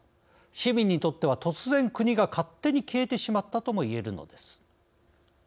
市民にとっては突然国が勝手に消えてしまったともいえるのです。